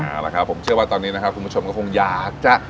อะล่ะค่ะผมเชื่อว่าตอนนี้คุณผู้ชมก็คงอยากจะ